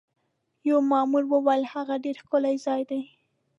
یوه مامور وویل: هغه ډېر ښکلی ځای دی.